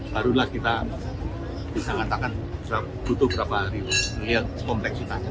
barulah kita bisa mengatakan butuh berapa hari untuk melihat kompleksitasnya